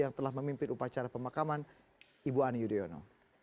yang telah memimpin upacara pemakaman ibu ani yudhoyono